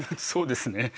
そうですね。